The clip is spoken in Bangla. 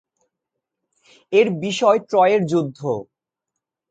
এর বিষয় ট্রয়ের যুদ্ধ।